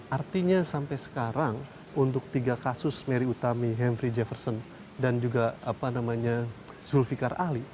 artinya sampai sekarang untuk tiga kasus mary utami henry jefferson dan juga zulfiqar ali